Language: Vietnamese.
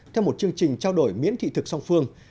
theo một chương trình trao đổi miễn thị thực song phương